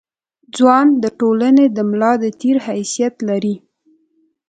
ځوان د ټولنې د ملا د تیر حیثیت لري.